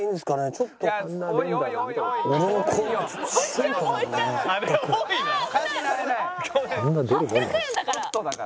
「ちょっとだから」